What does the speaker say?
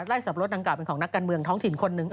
สับปะดังกล่าเป็นของนักการเมืองท้องถิ่นคนหนึ่ง